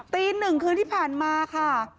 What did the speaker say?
ตีหนึ่งคืนที่ผ่านมาค่ะ